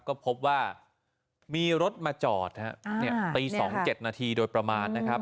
ก็พบว่ามีรถมาจอดนะครับอ่าเนี่ยตีสองเจ็ดนาทีโดยประมาณนะครับ